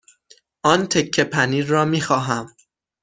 آن تکه پنیر را می خواهم.